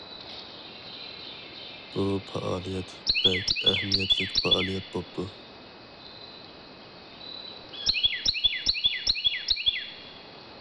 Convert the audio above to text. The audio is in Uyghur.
بۇ پائالىيەت بەك ئەھمىيەتلىك پائالىيەت بوپتۇ.